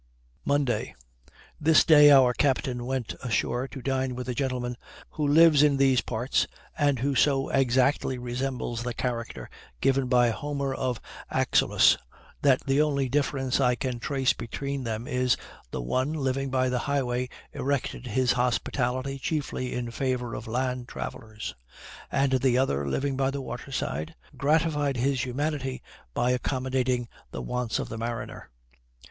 Monday. This day our captain went ashore, to dine with a gentleman who lives in these parts, and who so exactly resembles the character given by Homer of Axylus, that the only difference I can trace between them is, the one, living by the highway, erected his hospitality chiefly in favor of land travelers; and the other, living by the water side, gratified his humanity by accommodating the wants of the mariner.